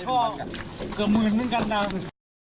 ก็เกือบหมื่นอีกเป็นนึงค่ะ